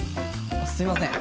すいません。